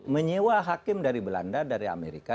menyewa hakim dari belanda dari amerika